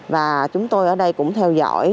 và chúng tôi ở đây cũng theo dõi